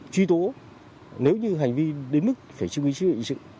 truy tố nếu như hành vi đến mức phải chứng minh chức năng